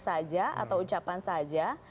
saja atau ucapan saja